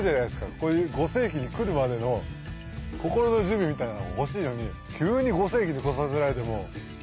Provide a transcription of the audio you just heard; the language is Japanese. こういう５世紀に来るまでの心の準備みたいなのがほしいのに急に５世紀に来させられても。